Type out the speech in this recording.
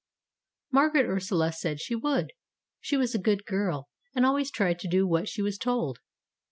Margaret Ursula said she would. She was a good girl, and always tried to do what she was told.